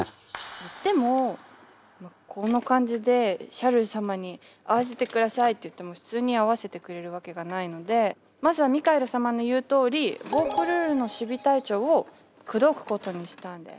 でもこの感じでシャルル様に会わせてくださいって言っても普通に会わせてくれるわけがないのでまずはミカエル様の言うとおりヴォークルールの守備隊長を口説くことにしたんです。